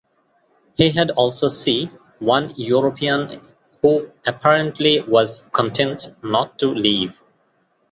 He had also see one European who apparently was content not to leave.